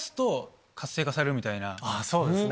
そうですね。